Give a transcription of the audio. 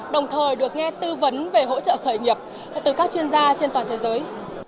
đồng thời được nghe tư vấn về hỗ trợ khởi nghiệp từ các chuyên gia trên toàn thế giới